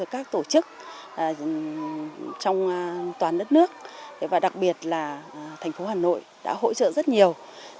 các tổ chức trong toàn đất nước và đặc biệt là thành phố hà nội đã hỗ trợ rất nhiều